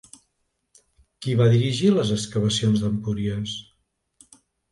Qui va dirigir les excavacions d'Empúries?